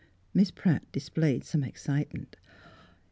Miss Pratt displayed some excitement.